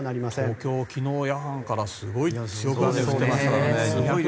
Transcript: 東京、昨日夜間からすごい強い雨が降っていましたから。